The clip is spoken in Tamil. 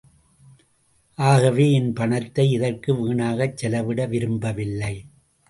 ஆகவே,... என் பணத்தை இதற்கு வீணாகச் செலவிட விரும்ப வில்லை.